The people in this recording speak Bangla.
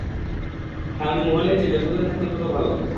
হ্যাঁ, উনি মহলের চেয়ে, যত দূরে থাকবেন তত ভালো।